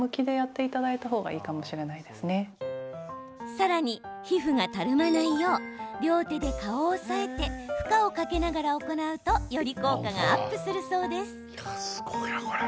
さらに、皮膚がたるまないよう両手で顔を押さえて負荷をかけながら行うとより効果がアップするそうです。